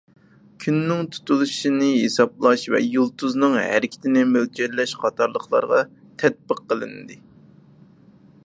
كۈننىڭ تۇتۇلۇشىنى ھېسابلاش ۋە يۇلتۇزنىڭ ھەرىكىتىنى مۆلچەرلەش قاتارلىقلارغا تەتبىق قىلىندى.